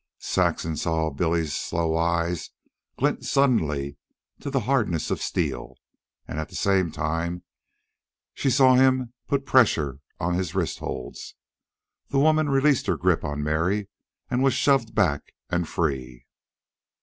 Saxon saw Billy's slow eyes glint suddenly to the hardness of steel, and at the same time she saw him put pressure on his wrist holds. The woman released her grip on Mary and was shoved back and free.